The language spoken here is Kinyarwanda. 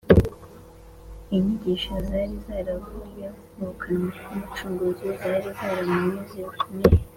. Inyigisho zari zaravuye mu kanwa k’Umucunguzi zari zaramunyuze bikomeye